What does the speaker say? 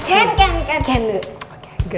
ci tu dissemang le